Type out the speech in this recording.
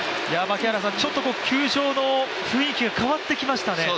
ちょっと球場の雰囲気が変わってきましたね。